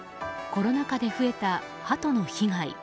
コロナ禍で増えたハトの被害。